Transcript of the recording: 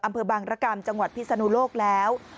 อำเภอบางรกรรมจังหวัดพิศนุโลกแล้ว